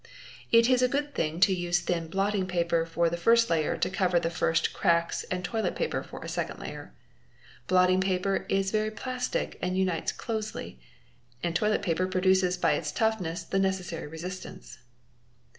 It is a good thing to use thin blotting paper for the first layer to cover the first cracks and toilet paper for a second layer. Blotting paper is very plastic and unites closely;.and toilet paper produces by its toughness the necessary resistance.